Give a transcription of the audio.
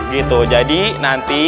gitu jadi nanti